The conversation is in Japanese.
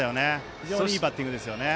非常にいいバッティングです。